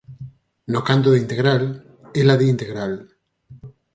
No canto de integral, ela di integral.